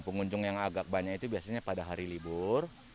pengunjung yang agak banyak itu biasanya pada hari libur